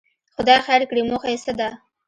خدای خیر کړي، موخه یې څه ده.